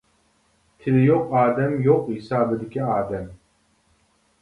تىلى يوق ئادەم يوق ھېسابىدىكى ئادەم.